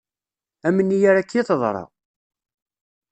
Amen-iyi ar akka i teḍra.